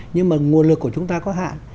nhưng mà nguồn lực của chúng ta có hạn